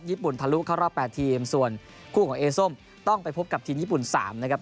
ทะลุเข้ารอบ๘ทีมส่วนคู่ของเอส้มต้องไปพบกับทีมญี่ปุ่น๓นะครับ